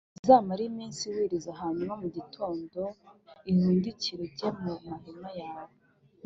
Uzamare iminsi wiyiririza hanyuma mu gitondo uhindukire ujye mu mahema yawe